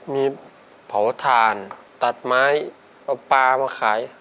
มีเผาทานตัดไม้ปลามาขาย